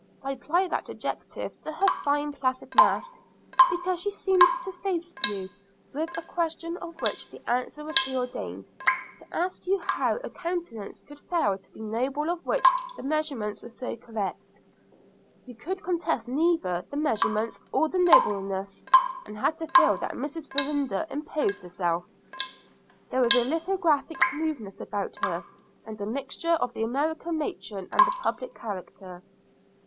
I apply that adjective to her fine placid mask because she seemed to face you with a question of which the answer was preordained, to ask you how a countenance could fail to be noble of which the measurements were so correct. You could contest neither the measurements nor the nobleness, and had to feel that Mrs. Farrinder imposed herself. There was a lithographic smoothness about her, and a mixture of the American matron and the public character.